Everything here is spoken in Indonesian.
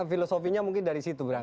filosofinya mungkin dari situ bram